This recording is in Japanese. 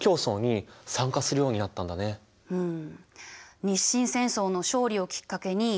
うん。